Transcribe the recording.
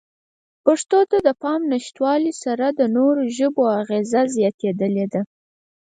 پښتو ته د پام نشتوالې سره د نورو ژبو اغېزه زیاتېدلې ده.